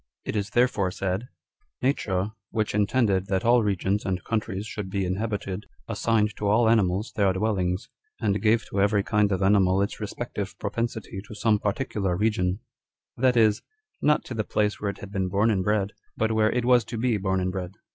It is therefore said â€" " Nature, which intended that all regions and countries should be inhabited, assigned to all animals their dwell ings, and gave to every kind of animal its respective propensity to some particular region ;" that is, not to the place where it had been born and bred, but where it was to be born and bred.